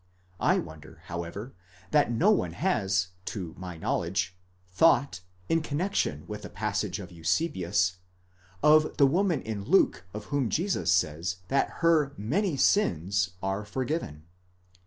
I wonder, however, that no one has, to my knowledge, thought, in connexion with the passage of Eusebius, of the woman in Luke of whom Jesus says that her many sins, ἁμαρτίαι πολλαὶ, are forgiven.